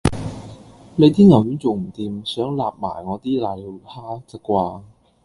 你啲牛丸做唔掂，想擸埋我啲攋尿蝦咋啩